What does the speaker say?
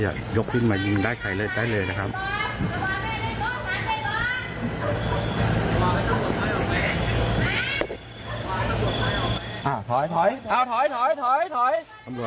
ถอยในแนวรถนะ